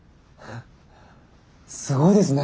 すごいですね。